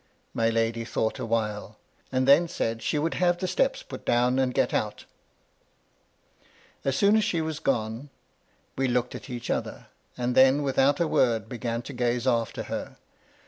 My lady thought awhile, and then said she would have the steps put down and get out. 54 MY LADY LUDLOW. As soon as she was gone, we looked at each other, and then without a word began to gaze after her.